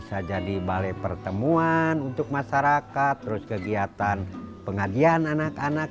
senangnya kenapa nak